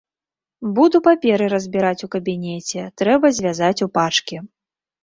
Буду паперы разбіраць у кабінеце, трэба звязаць у пачкі.